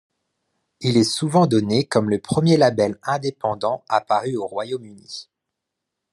Il est souvent donné comme le premier label indépendant apparu au Royaume-Uni.